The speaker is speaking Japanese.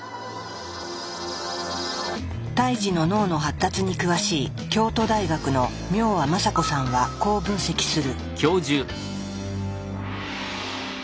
胎児の脳の発達に詳しい京都大学の明和政子さんはこう分析する。